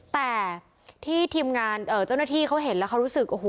แต่ที่ทีมงานเจ้าหน้าที่เขาเห็นแล้วเขารู้สึกโอ้โห